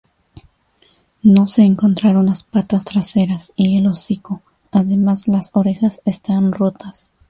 No se encontraron las patas traseras y el hocico, además las orejas están rotas.